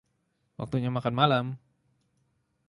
Waktunya makan malam.